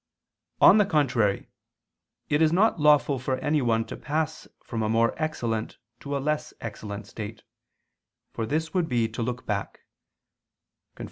On the contrary, It is not lawful for anyone to pass from a more excellent to a less excellent state; for this would be to look back [*Cf.